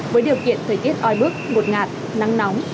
với điều kiện thời tiết oi bức ngột ngạt nắng nóng